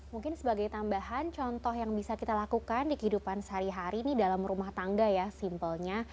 mungkin sebagai tambahan contoh yang bisa kita lakukan di kehidupan sehari hari ini dalam rumah tangga ya simpelnya